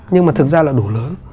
nhưng mà thực ra là đủ lớn